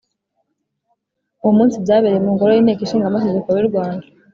uwo munsi byabereye mu Ngoro y Inteko Ishinga Amategeko y u Rwanda